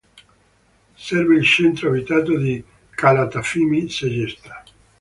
Serve il centro abitato di Calatafimi Segesta.